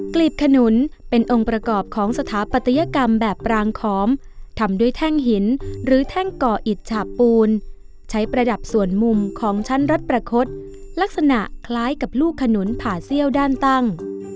ลีบขนุนเป็นองค์ประกอบของสถาปัตยกรรมแบบปรางขอมทำด้วยแท่งหินหรือแท่งก่ออิจฉาปูนใช้ประดับส่วนมุมของชั้นรัฐประคดลักษณะคล้ายกับลูกขนุนผ่าเซี่ยวด้านตั้ง